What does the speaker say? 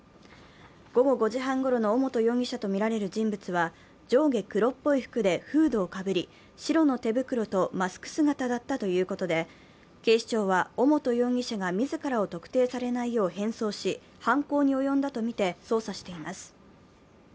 午後５時半ごろの尾本容疑者とみられる人物は上下黒っぽい服でフードをかぶり、白の手袋とマスク姿だったということで、警視庁は尾本容疑者が自らを特定されないよう変装し犯行に及んだとみて捜査しています。